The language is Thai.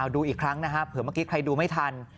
ดูอีกครั้งนะฮะเผื่อเมื่อกี้ใครดูไม่ทัน